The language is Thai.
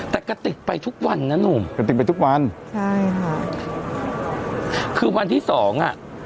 แต่กระติกไปทุกวันนะหนุ่มกระติกไปทุกวันใช่ค่ะคือวันที่สองอ่ะ